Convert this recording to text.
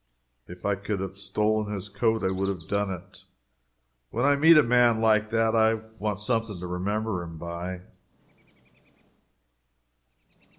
If I could have stolen his coat, I would have done it. When I meet a man like that, I want something to remember him by.